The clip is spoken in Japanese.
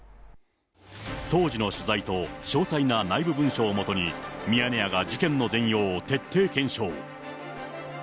当時の取材と、詳細な内部文書を基に、ミヤネ屋が事件の全容を徹底検証。